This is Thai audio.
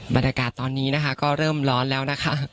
บรรยากาศตอนนี้นะคะก็เริ่มร้อนแล้วนะคะ